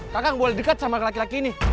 kakak gak boleh dekat sama laki laki ini